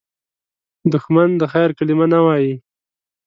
دښمن د خیر کلمه نه وايي